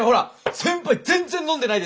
先輩全然飲んでないですもん。